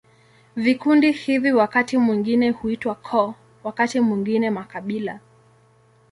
Vikundi hivi wakati mwingine huitwa koo, wakati mwingine makabila.